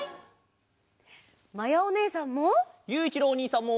まやおねえさんも！